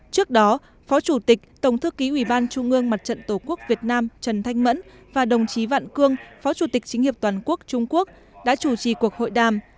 trước đó phó chủ tịch tổng thư ký ủy ban trung ương mặt trận tổ quốc việt nam trần thanh mẫn và đồng chí vạn cương phó chủ tịch chính hiệp toàn quốc trung quốc đã chủ trì cuộc hội đàm